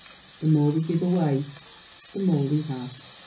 The more we give away, the more we have.